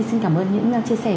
xin cảm ơn những chia sẻ